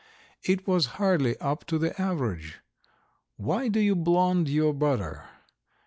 It was hardly up to the average. Why do you blonde your butter?